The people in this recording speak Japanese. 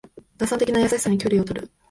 打算的な優しさに距離をとる